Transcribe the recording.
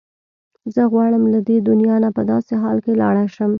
زه غواړم له دې دنیا نه په داسې حال کې لاړه شم.